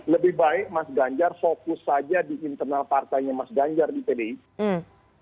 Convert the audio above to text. lebih baik mas ganjar fokus saja di internal partainya mas ganjar di pdip